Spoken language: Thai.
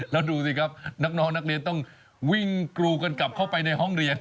แล้วดูสิครับน้องนักเรียนต้องวิ่งกรูกันกลับเข้าไปในห้องเรียน